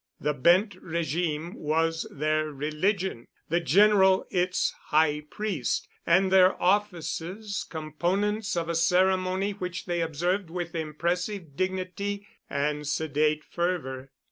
The Bent régime was their religion, the General its high priest, and their offices components of a ceremony which they observed with impressive dignity and sedate fervor.